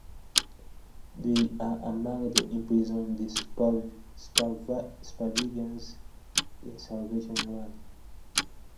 They are among the imprisoned supervillains in "Salvation Run".